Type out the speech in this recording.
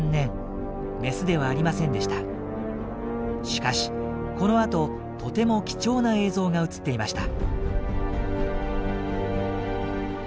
しかしこのあととても貴重な映像が写っていました。